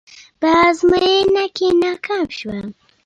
په ازموينه کې ناکام شوم.